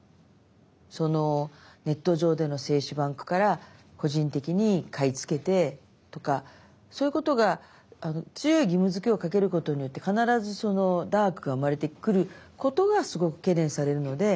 ネット上での精子バンクから個人的に買い付けてとかそういうことが強い義務づけをかけることによって必ずダークが生まれてくることがすごく懸念されるので。